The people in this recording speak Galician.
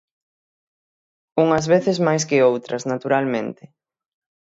Unhas veces máis que outras, naturalmente.